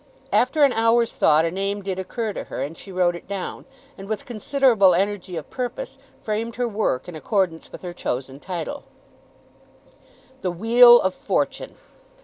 After an hour's thought a name did occur to her, and she wrote it down, and with considerable energy of purpose framed her work in accordance with her chosen title, "The Wheel of Fortune!"